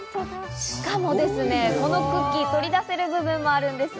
しかも、このクッキー取り出せる部分もあるんです。